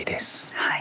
はい。